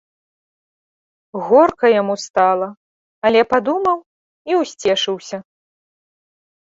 Горка яму стала, але падумаў і ўсцешыўся.